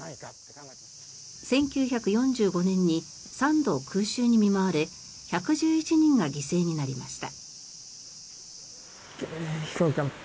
１９４５年に３度、空襲に見舞われ１１１人が犠牲になりました。